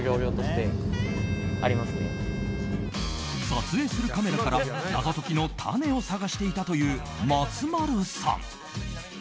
撮影するカメラから謎解きのタネを探していたという松丸さん。